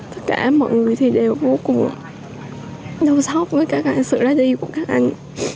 tất cả mọi người thì đều vô cùng đau sốc với sự ra đi của các anh